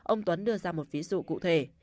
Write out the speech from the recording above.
ông tuấn đưa ra một ví dụ cụ thể